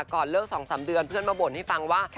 ก่อนเลิก๒๓เดือนเพื่อนมาบ่นให้ฟังว่า